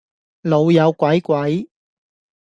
老友鬼鬼